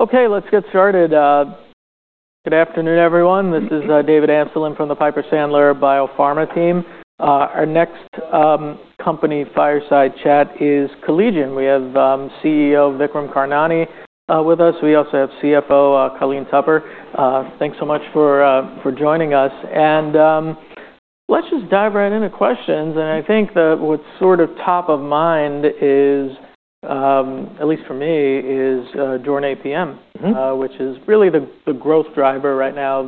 Okay, let's get started. Good afternoon everyone. This is David Amsellem from the Piper Sandler Biopharma team. Our next company fireside chat is Collegium. We have CEO Vikram Karnani with us. We also have CFO Colleen Tupper. Thanks so much for joining us. Let's just dive right into questions. I think that what's sort of top of mind is, at least for me, Jornay PM. Mm-hmm. which is really the growth driver right now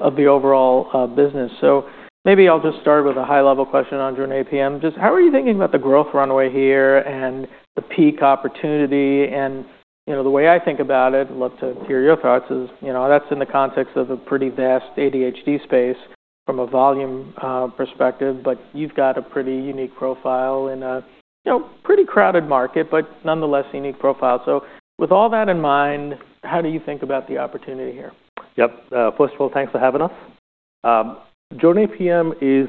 of the overall business. So maybe I'll just start with a high-level question on Jornay PM. Just how are you thinking about the growth runway here and the peak opportunity? And, you know, the way I think about it, I'd love to hear your thoughts is, you know, that's in the context of a pretty vast ADHD space from a volume perspective, but you've got a pretty unique profile in a, you know, pretty crowded market, but nonetheless unique profile. So with all that in mind, how do you think about the opportunity here? Yep. First of all, thanks for having us. Jornay PM is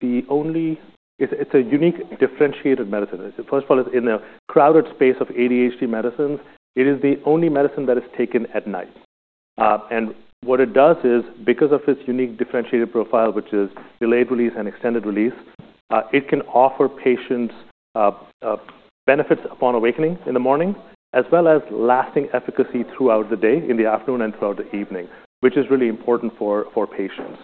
the only, it's a unique differentiated medicine. It's, first of all, it's in the crowded space of ADHD medicines. It is the only medicine that is taken at night. And what it does is, because of its unique differentiated profile, which is delayed release and extended release, it can offer patients benefits upon awakening in the morning, as well as lasting efficacy throughout the day, in the afternoon and throughout the evening, which is really important for patients.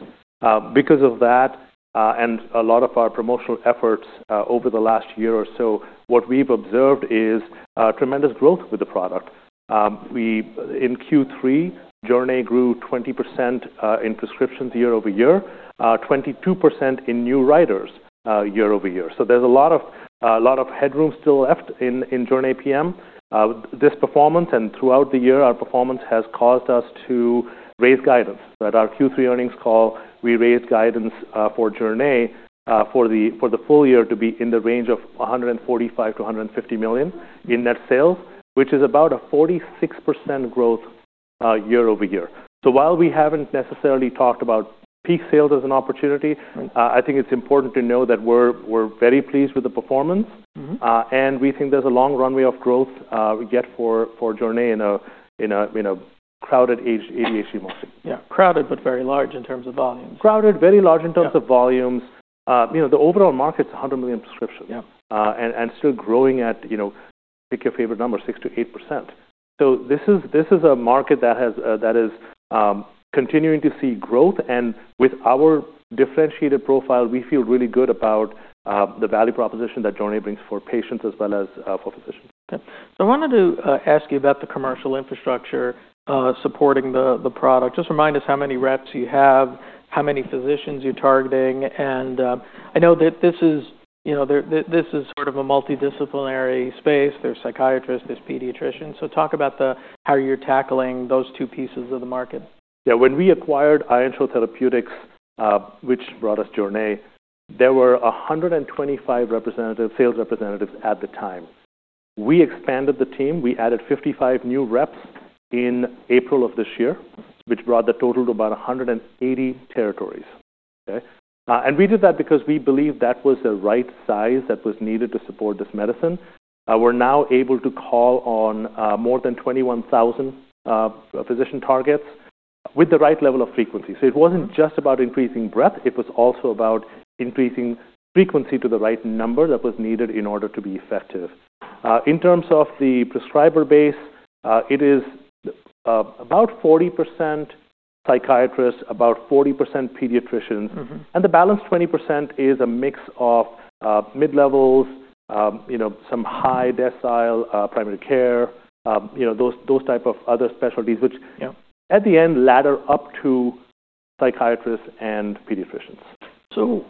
Because of that, and a lot of our promotional efforts over the last year or so, what we've observed is tremendous growth with the product. We, in Q3, Jornay grew 20% in prescriptions year over year, 22% in new writers, year over year. So there's a lot of headroom still left in Jornay PM. This performance, and throughout the year, our performance has caused us to raise guidance. At our Q3 earnings call, we raised guidance for Jornay for the full year to be in the range of $145 million-$150 million in net sales, which is about a 46% growth year over year. So while we haven't necessarily talked about peak sales as an opportunity, I think it's important to know that we're very pleased with the performance. Mm-hmm. and we think there's a long runway of growth ahead for Jornay in a crowded ADHD market. Yeah. Crowded but very large in terms of volumes. Crowded, very large in terms of volumes. You know, the overall market's 100 million prescriptions. Yeah. And still growing at, you know, pick your favorite number, 6%-8%. So this is a market that is continuing to see growth. And with our differentiated profile, we feel really good about the value proposition that Jornay brings for patients as well as for physicians. Okay. So I wanted to ask you about the commercial infrastructure supporting the product. Just remind us how many reps you have, how many physicians you're targeting. And I know that this is, you know, this is sort of a multidisciplinary space. There's psychiatrists, there's pediatricians. So talk about how you're tackling those two pieces of the market. Yeah. When we acquired Ironshore Therapeutics, which brought us Jornay, there were 125 representatives, sales representatives at the time. We expanded the team. We added 55 new reps in April of this year, which brought the total to about 180 territories. Okay? And we did that because we believed that was the right size that was needed to support this medicine. We're now able to call on more than 21,000 physician targets with the right level of frequency. So it wasn't just about increasing breadth. It was also about increasing frequency to the right number that was needed in order to be effective. In terms of the prescriber base, it is about 40% psychiatrists, about 40% pediatricians. Mm-hmm. And the balance 20% is a mix of mid-levels, you know, some high decile primary care, you know, those type of other specialties, which. Yeah. At the end, ladder up to psychiatrists and pediatricians. So,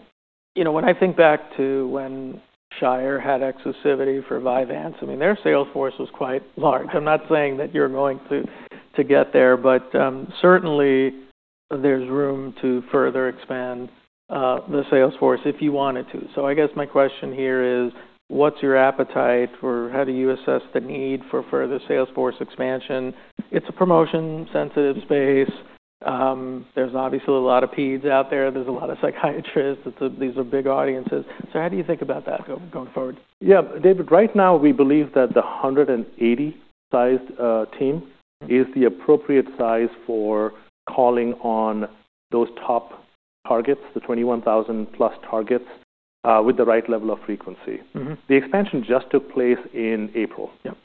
you know, when I think back to when Shire had exclusivity for Vyvanse, I mean, their sales force was quite large. I'm not saying that you're going to get there, but certainly there's room to further expand the sales force if you wanted to. So I guess my question here is, what's your appetite for, how do you assess the need for further sales force expansion? It's a promotion-sensitive space. There's obviously a lot of peds out there. There's a lot of psychiatrists. It's a, these are big audiences. So how do you think about that going forward? Yeah. David, right now we believe that the 180-sized team is the appropriate size for calling on those top targets, the 21,000+ targets, with the right level of frequency. Mm-hmm. The expansion just took place in April. Yep.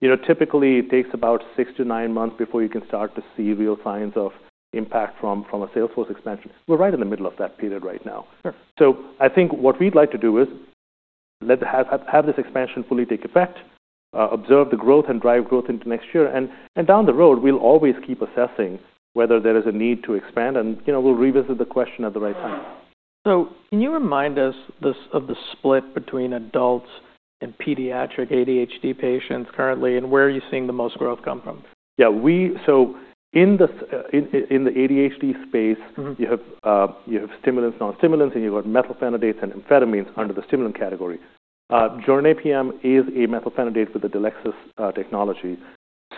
You know, typically it takes about six-to-nine months before you can start to see real signs of impact from a sales force expansion. We're right in the middle of that period right now. Sure. So I think what we'd like to do is let this expansion fully take effect, observe the growth and drive growth into next year. And down the road, we'll always keep assessing whether there is a need to expand. And, you know, we'll revisit the question at the right time. Can you remind us of the split between adults and pediatric ADHD patients currently? Where are you seeing the most growth come from? Yeah. We so in the ADHD space. Mm-hmm. You have, you have stimulants, non-stimulants, and you've got methylphenidates and amphetamines under the stimulant category. Jornay PM is a methylphenidate with a DELEXIS technology.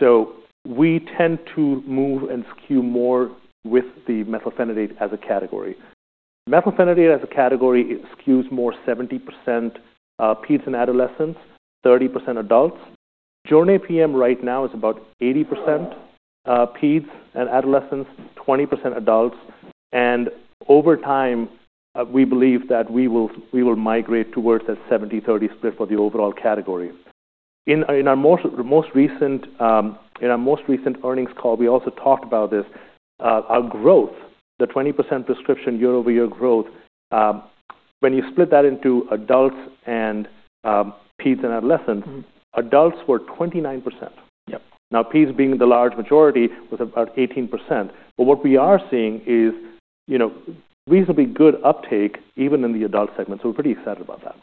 So we tend to move and skew more with the methylphenidate as a category. Methylphenidate as a category skews more 70% peds and adolescents, 30% adults. Jornay PM right now is about 80% peds and adolescents, 20% adults. And over time, we believe that we will, we will migrate towards that 70/30 split for the overall category. In our most recent earnings call, we also talked about this, our growth, the 20% prescription year over year growth when you split that into adults and peds and adolescents. Mm-hmm. Adults were 29%. Yep. Now, peds being the large majority was about 18%. But what we are seeing is, you know, reasonably good uptake even in the adult segment. So we're pretty excited about that.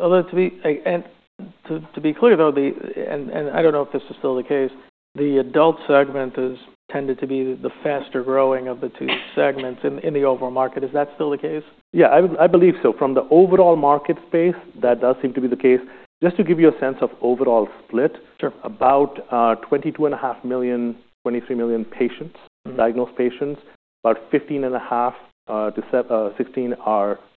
Although, to be clear though, I don't know if this is still the case, the adult segment has tended to be the faster growing of the two segments in the overall market. Is that still the case? Yeah. I believe so. From the overall market space, that does seem to be the case. Just to give you a sense of overall split. Sure. About 22.5 million to 23 million patients. Mm-hmm. Diagnosed patients. About 15 and a half to 16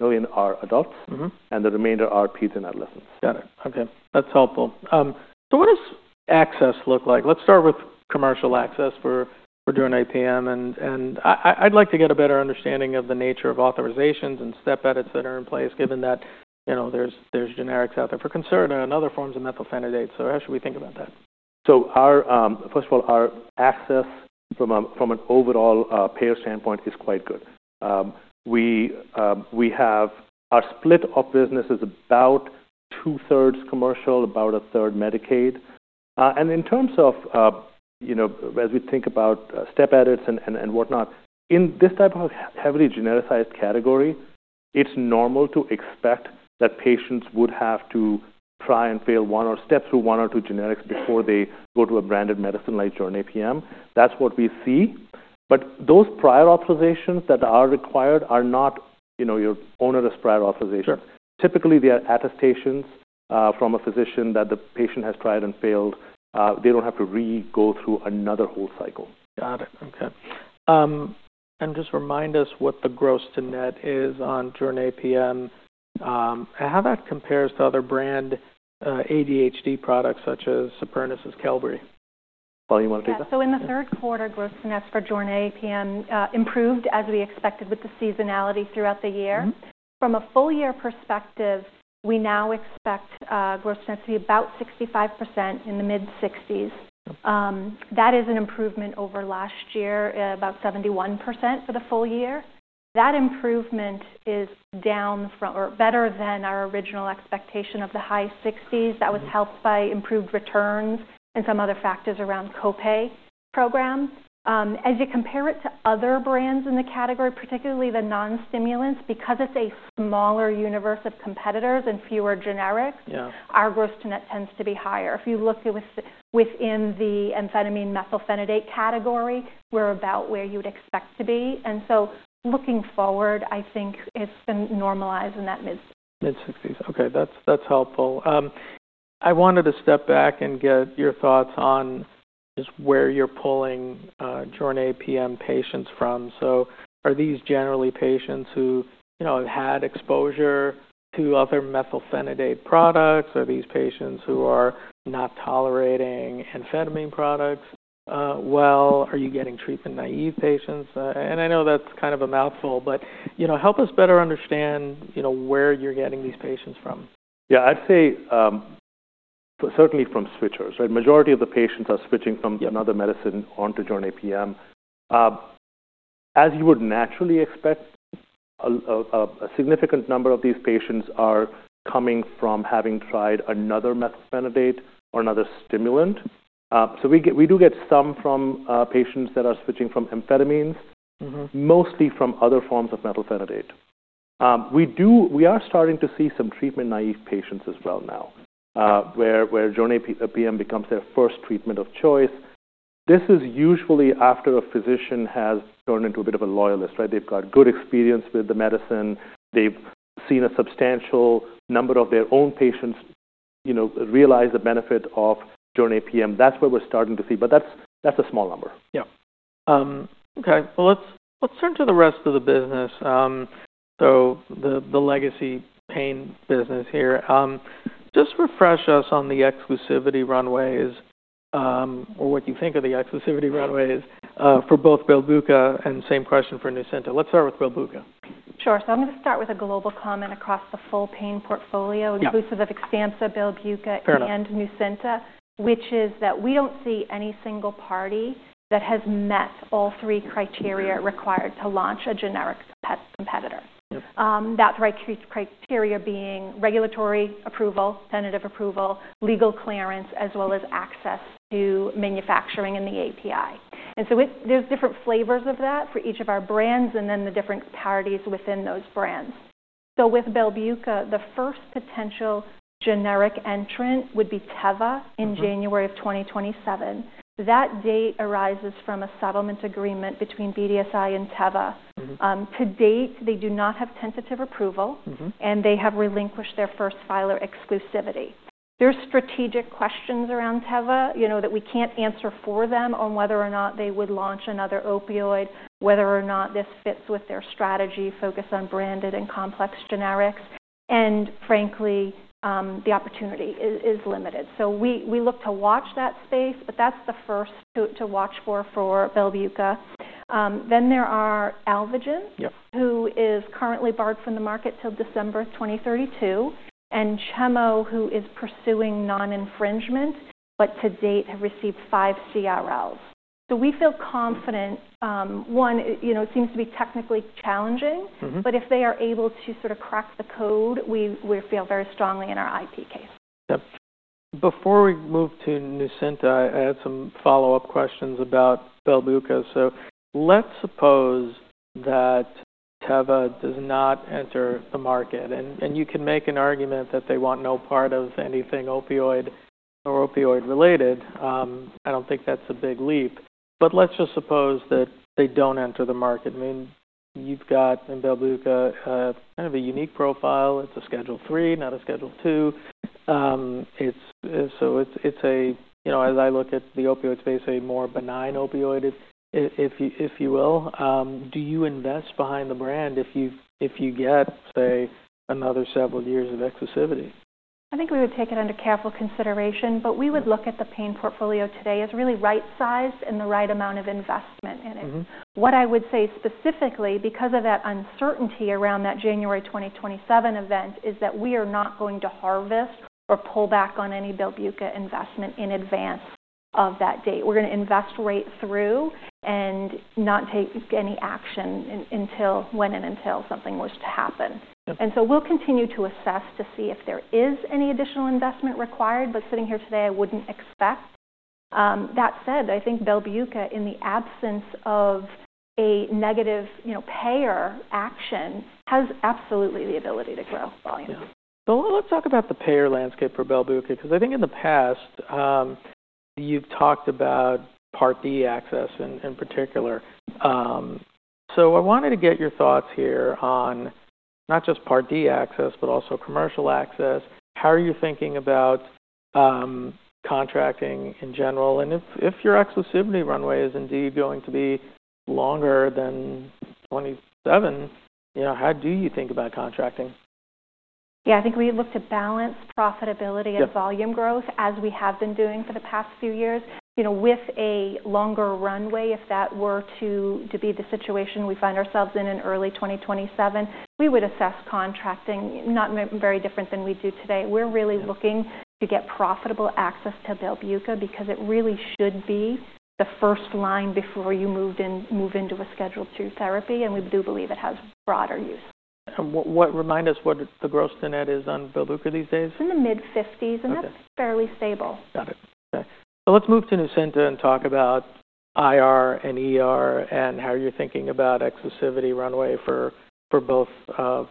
million are adults. Mm-hmm. The remainder are peds and adolescents. Got it. Okay. That's helpful. So what does access look like? Let's start with commercial access for Jornay PM. And I'd like to get a better understanding of the nature of authorizations and step edits that are in place given that, you know, there's generics out there for Concerta and other forms of methylphenidate. So how should we think about that? So, first of all, our access from an overall payer standpoint is quite good. We have our split of business is about two-thirds commercial, about a third Medicaid. And in terms of, you know, as we think about step edits and whatnot, in this type of heavily genericized category, it's normal to expect that patients would have to try and fail one or step through one or two generics before they go to a branded medicine like Jornay PM. That's what we see. But those prior authorizations that are required are not, you know, overly onerous prior authorization. Sure. Typically, they are attestations, from a physician that the patient has tried and failed. They don't have to re-go through another whole cycle. Got it. Okay. And just remind us what the gross to net is on Jornay PM, and how that compares to other branded ADHD products such as Supernus's Qelbree. Colleen, you wanna take that? So in the third quarter, gross to nets for Jornay PM improved as we expected with the seasonality throughout the year. Mm-hmm. From a full year perspective, we now expect gross to net to be about 65% in the mid-60%. Okay. That is an improvement over last year, about 71% for the full year. That improvement is down from, or better than our original expectation of the high 60%. That was helped by improved returns and some other factors around copay programs. As you compare it to other brands in the category, particularly the non-stimulants, because it's a smaller universe of competitors and fewer generics. Yeah. Our gross-to-net tends to be higher. If you look within the amphetamine methylphenidate category, we're about where you would expect to be. And so looking forward, I think it's been normalized in that mid-60%. Mid-60%. Okay. That's, that's helpful. I wanted to step back and get your thoughts on just where you're pulling Jornay PM patients from. So are these generally patients who, you know, have had exposure to other methylphenidate products? Are these patients who are not tolerating amphetamine products well? Are you getting treatment-naive patients? And I know that's kind of a mouthful, but, you know, help us better understand, you know, where you're getting these patients from. Yeah. I'd say, certainly from switchers, right? Majority of the patients are switching from. Yep. Another medicine onto Jornay PM, as you would naturally expect, a significant number of these patients are coming from having tried another methylphenidate or another stimulant, so we do get some from patients that are switching from amphetamines. Mm-hmm. Mostly from other forms of methylphenidate. We do, we are starting to see some treatment-naive patients as well now, where Jornay PM becomes their first treatment of choice. This is usually after a physician has turned into a bit of a loyalist, right? They've got good experience with the medicine. They've seen a substantial number of their own patients, you know, realize the benefit of Jornay PM. That's where we're starting to see. But that's a small number. Yep. Okay. Well, let's turn to the rest of the business, so the legacy pain business here. Just refresh us on the exclusivity runways, or what you think of the exclusivity runways, for both Belbuca and same question for Nucynta. Let's start with Belbuca. Sure. So I'm gonna start with a global comment across the full pain portfolio. Yeah. Inclusive of Xtampza, Belbuca. Fair enough. Nucynta, which is that we don't see any single party that has met all three criteria required to launch a generic competitor. Yep. The right criteria being regulatory approval, tentative approval, legal clearance, as well as access to manufacturing and the API. And so, there's different flavors of that for each of our brands and then the different varieties within those brands. So with Belbuca, the first potential generic entrant would be Teva in January of 2027. That date arises from a settlement agreement between BDSI and Teva. Mm-hmm. to date, they do not have tentative approval. Mm-hmm. They have relinquished their first filer exclusivity. There's strategic questions around Teva, you know, that we can't answer for them on whether or not they would launch another opioid, whether or not this fits with their strategy focused on branded and complex generics. And frankly, the opportunity is limited. So we look to watch that space, but that's the first to watch for Belbuca. Then there are Alvogen. Yep. Who is currently barred from the market till December 2032, and Chemo, who is pursuing non-infringement, but to date have received five CRLs, so we feel confident, one, you know, it seems to be technically challenging. Mm-hmm. But if they are able to sort of crack the code, we feel very strongly in our IP case. Yep. Before we move to Nucynta, I had some follow-up questions about Belbuca. So let's suppose that Teva does not enter the market. And you can make an argument that they want no part of anything opioid or opioid-related. I don't think that's a big leap. But let's just suppose that they don't enter the market. I mean, you've got in Belbuca, kind of a unique profile. It's a Schedule III, not a Schedule II. So it's a, you know, as I look at the opioid space, a more benign opioid, if you will. Do you invest behind the brand if you get, say, another several years of exclusivity? I think we would take it under careful consideration, but we would look at the pain portfolio today as really right-sized and the right amount of investment in it. Mm-hmm. What I would say specifically because of that uncertainty around that January 2027 event is that we are not going to harvest or pull back on any Belbuca investment in advance of that date. We're gonna invest right through and not take any action until something was to happen. Yep. And so we'll continue to assess to see if there is any additional investment required. But sitting here today, I wouldn't expect. That said, I think Belbuca, in the absence of a negative, you know, payer action, has absolutely the ability to grow volumes. Yeah. So let's talk about the payer landscape for Belbuca 'cause I think in the past, you've talked about Part D access in particular. So I wanted to get your thoughts here on not just Part D access but also commercial access. How are you thinking about contracting in general? And if your exclusivity runway is indeed going to be longer than 27, you know, how do you think about contracting? Yeah. I think we look to balance profitability and volume growth. Yep. As we have been doing for the past few years. You know, with a longer runway, if that were to be the situation we find ourselves in early 2027, we would assess contracting not very different than we do today. We're really looking to get profitable access to Belbuca because it really should be the first line before you move into a schedule two therapy, and we do believe it has broader use. What reminds us what the gross-to-net is on Belbuca these days? It's in the mid-50%. Okay. That's fairly stable. Got it. Okay. So let's move to Nucynta and talk about IR and ER and how you're thinking about exclusivity runway for both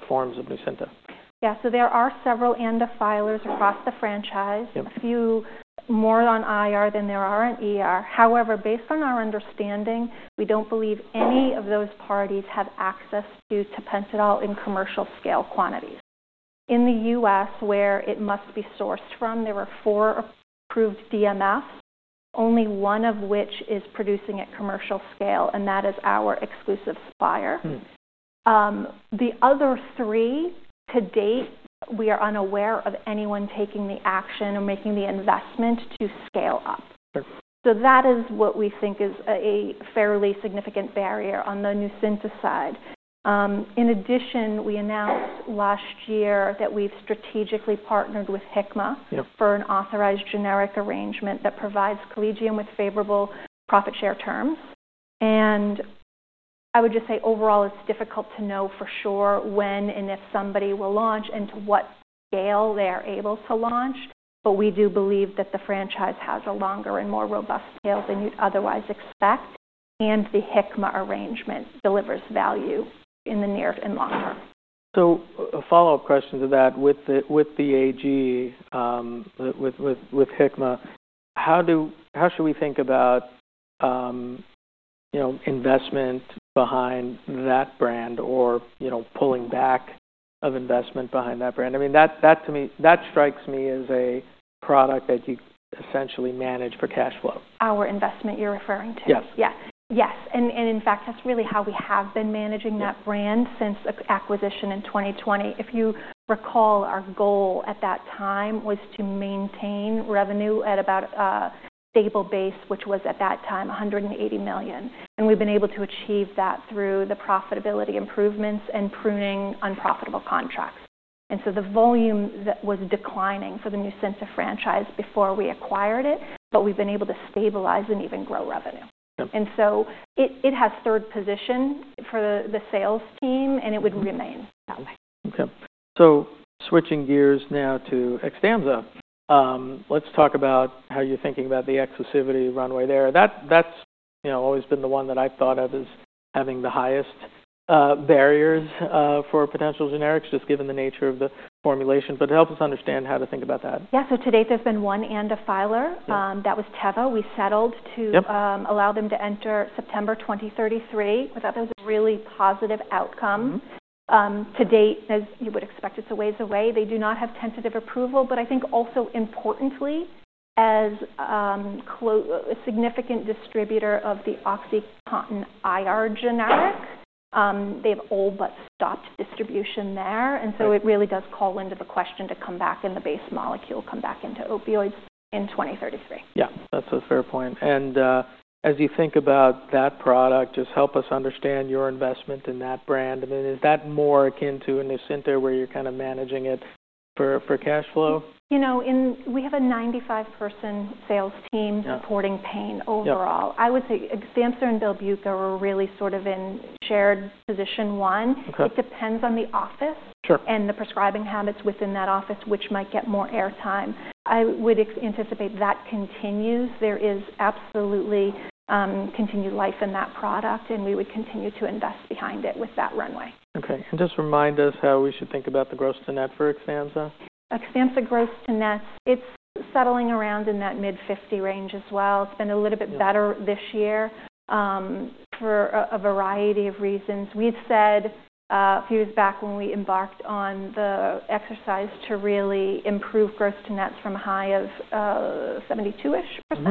forms of Nucynta. Yeah. So there are several ANDA filers across the franchise. Yep. A few more on IR than there are on ER. However, based on our understanding, we don't believe any of those parties have access to Tapentadol in commercial scale quantities. In the U.S., where it must be sourced from, there were four approved DMFs, only one of which is producing at commercial scale, and that is our exclusive supplier. Mm-hmm. The other three, to date, we are unaware of anyone taking the action or making the investment to scale up. Sure. So that is what we think is a fairly significant barrier on the Nucynta side. In addition, we announced last year that we've strategically partnered with Hikma. Yep. For an authorized generic arrangement that provides Collegium with favorable profit share terms. I would just say overall, it's difficult to know for sure when and if somebody will launch and to what scale they are able to launch. But we do believe that the franchise has a longer and more robust scale than you'd otherwise expect. And the Hikma arrangement delivers value in the near and long term. So a follow-up question to that. With the AG with Hikma, how should we think about, you know, investment behind that brand or, you know, pulling back of investment behind that brand? I mean, that to me strikes me as a product that you essentially manage for cash flow. Our investment you're referring to? Yes. Yeah. Yes. And, in fact, that's really how we have been managing that brand since acquisition in 2020. If you recall, our goal at that time was to maintain revenue at about a stable base, which was at that time $180 million. And we've been able to achieve that through the profitability improvements and pruning unprofitable contracts. And so the volume that was declining for the Nucynta franchise before we acquired it, but we've been able to stabilize and even grow revenue. Yep. And so it has third position for the sales team, and it would remain that way. Okay. So switching gears now to Xtampza. Let's talk about how you're thinking about the exclusivity runway there. That, that's, you know, always been the one that I've thought of as having the highest, barriers, for potential generics just given the nature of the formulation. But help us understand how to think about that. Yeah. So to date, there's been one ANDA filer. Yep. that was Teva. We settled to. Yep. allow them to enter September 2033. I thought that was a really positive outcome. Mm-hmm. To date, as you would expect, it's a ways away. They do not have tentative approval, but I think also importantly, as a significant distributor of the OxyContin IR generic, they have already stopped distribution there. And so it really does call into question to come back in the base molecule, come back into opioids in 2033. Yeah. That's a fair point. And, as you think about that product, just help us understand your investment in that brand. I mean, is that more akin to a Nucynta where you're kind of managing it for cash flow? You know, we have a 95-person sales team. Yeah. Supporting pain overall. Yeah. I would say Xtampza and Belbuca were really sort of in shared position one. Okay. It depends on the office. Sure. And the prescribing habits within that office, which might get more airtime. I would anticipate that continues. There is absolutely continued life in that product, and we would continue to invest behind it with that runway. Okay. And just remind us how we should think about the gross-to-net for Xtampza. Xtampza gross to net, it's settling around in that mid-50% range as well. It's been a little bit better this year, for a variety of reasons. We've said, a few years back when we embarked on the exercise to really improve gross to nets from a high of 72-ish%.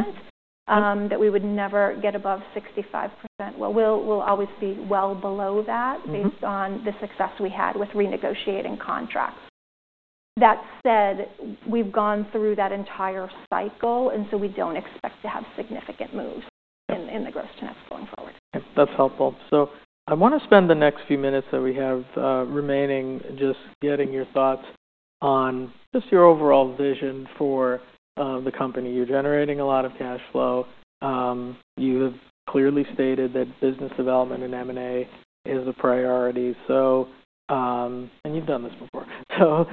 Mm-hmm. that we would never get above 65%. Well, we'll always be well below that based on the success we had with renegotiating contracts. That said, we've gone through that entire cycle, and so we don't expect to have significant moves in the gross to nets going forward. That's helpful. So I wanna spend the next few minutes that we have remaining just getting your thoughts on just your overall vision for the company. You're generating a lot of cash flow. You have clearly stated that business development and M&A is a priority. So, and you've done this before. So,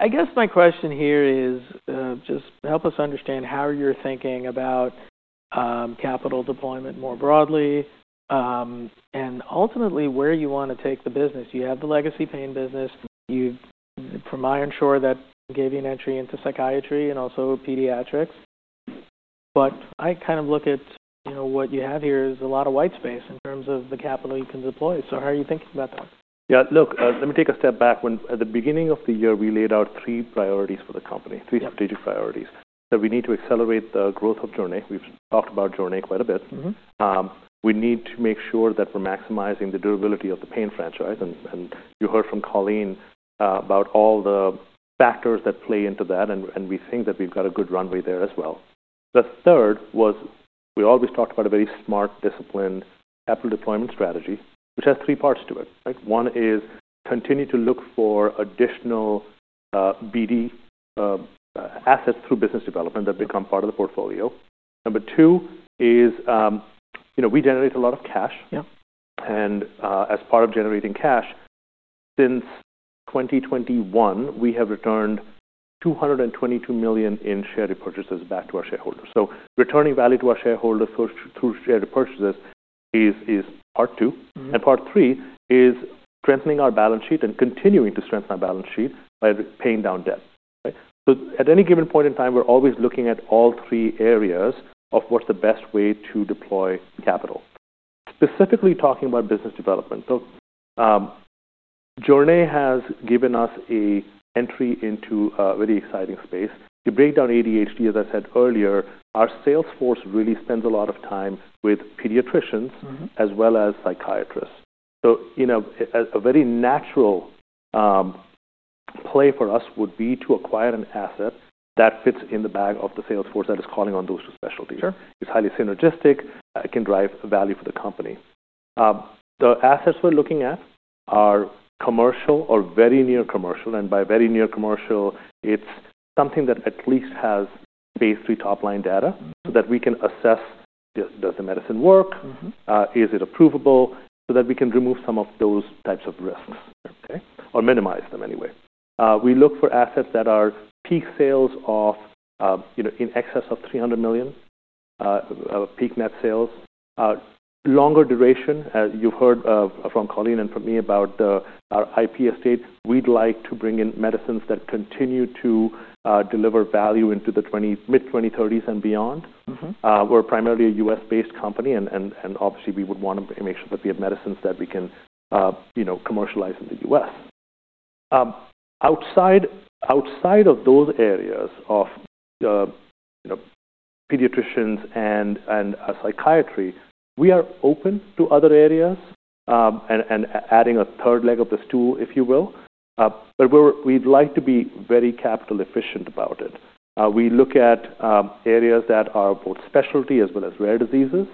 I guess my question here is, just help us understand how you're thinking about capital deployment more broadly, and ultimately where you wanna take the business. You have the legacy pain business. You've, from my inference, that gave you an entry into psychiatry and also pediatrics. But I kind of look at, you know, what you have here is a lot of white space in terms of the capital you can deploy. So how are you thinking about that? Yeah. Look, let me take a step back. When, at the beginning of the year, we laid out three priorities for the company, three strategic priorities that we need to accelerate the growth of Jornay. We've talked about Jornay quite a bit. Mm-hmm. We need to make sure that we're maximizing the durability of the pain franchise. And you heard from Colleen about all the factors that play into that. And we think that we've got a good runway there as well. The third was we always talked about a very smart disciplined capital deployment strategy, which has three parts to it, right? One is continue to look for additional BD assets through business development that become part of the portfolio. Number two is, you know, we generate a lot of cash. Yeah. As part of generating cash, since 2021, we have returned $222 million in share repurchases back to our shareholders. So returning value to our shareholders through share repurchases is part two. Mm-hmm. And part three is strengthening our balance sheet and continuing to strengthen our balance sheet by paying down debt, right? So at any given point in time, we're always looking at all three areas of what's the best way to deploy capital, specifically talking about business development. So, Jornay has given us an entry into a very exciting space. You break down ADHD, as I said earlier, our sales force really spends a lot of time with pediatricians. Mm-hmm. As well as psychiatrists. So, you know, a very natural play for us would be to acquire an asset that fits in the bailiwick of the sales force that is calling on those two specialties. Sure. It's highly synergistic. It can drive value for the company. The assets we're looking at are commercial or very near commercial, and by very near commercial, it's something that at least has phase three top line data so that we can assess, does the medicine work? Mm-hmm. Is it approvable? So that we can remove some of those types of risks, okay, or minimize them anyway. We look for assets that are peak sales of, you know, in excess of $300 million, peak net sales, longer duration. You've heard from Colleen and from me about our IP estate. We'd like to bring in medicines that continue to deliver value into the mid-2030s and beyond. Mm-hmm. We're primarily a U.S.-based company. And obviously, we would wanna make sure that we have medicines that we can, you know, commercialize in the U.S. Outside of those areas of, you know, pediatricians and psychiatry, we are open to other areas, and adding a third leg of the stool, if you will. But we'd like to be very capital efficient about it. We look at areas that are both specialty as well as rare diseases.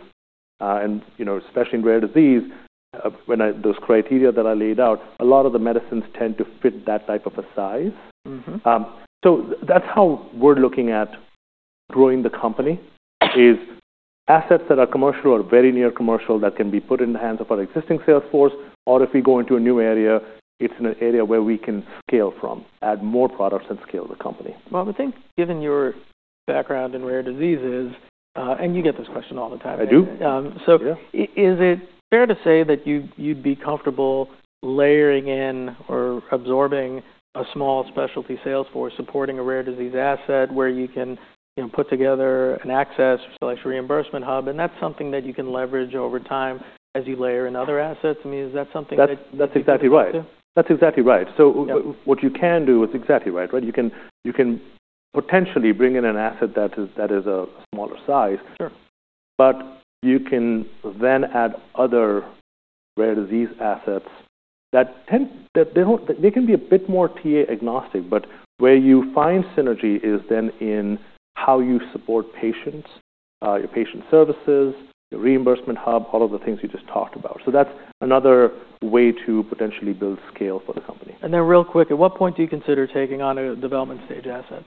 And, you know, especially in rare disease, when those criteria that I laid out, a lot of the medicines tend to fit that type of a size. Mm-hmm. So that's how we're looking at growing the company: assets that are commercial or very near commercial that can be put in the hands of our existing sales force. Or if we go into a new area, it's in an area where we can scale from, add more products, and scale the company. I think given your background in rare diseases, and you get this question all the time. I do. Is it fair to say that you'd be comfortable layering in or absorbing a small specialty sales force supporting a rare disease asset where you can, you know, put together an access/reimbursement hub? And that's something that you can leverage over time as you layer in other assets. I mean, is that something that? That's, that's exactly right. Too? That's exactly right. So. Yeah. What you can do is exactly right, right? You can potentially bring in an asset that is a smaller size. Sure. But you can then add other rare disease assets that tend, that they don't, they can be a bit more TA agnostic. But where you find synergy is then in how you support patients, your patient services, your reimbursement hub, all of the things we just talked about. So that's another way to potentially build scale for the company. Then real quick, at what point do you consider taking on a development stage asset?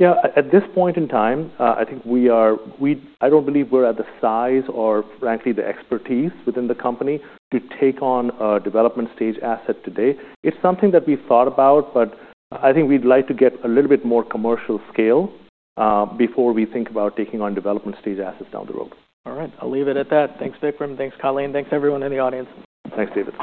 Yeah. At this point in time, I think we don't believe we're at the size or frankly the expertise within the company to take on a development stage asset today. It's something that we've thought about, but I think we'd like to get a little bit more commercial scale before we think about taking on development stage assets down the road. All right. I'll leave it at that. Thanks, Vikram. Thanks, Colleen. Thanks, everyone in the audience. Thanks, David.